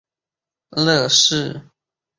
毛叶杯锥为壳斗科锥属下的一个种。